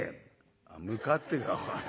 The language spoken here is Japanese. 「『向かって』かおい。